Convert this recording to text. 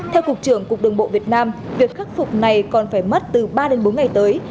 theo cục trưởng cục đường bộ việt nam việc khắc phục này còn phải mất từ ba đến bốn ngày tới